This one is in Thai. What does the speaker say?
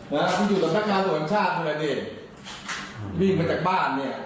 นะครับมันอยู่ตรงทางอ่อนชาติเลยนี่รีบมาจากบ้านนี่